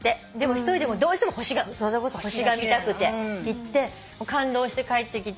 １人でもどうしても星がそれこそ星が見たくて行って感動して帰ってきて。